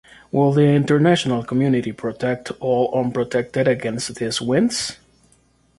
Will the international community protect all unprotected against these winds?